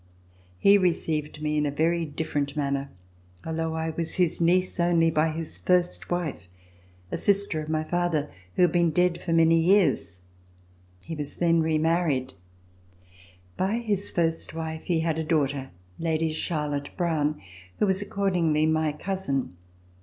He received me in a very different manner, although I EXILE IN ENGLAND was his niece only by his first wife, a sister of my father, who had been dead for many years. He was then remarried. By his first wife he had a daughter, Lady Charlotte Browne, who was accordingly my cousin.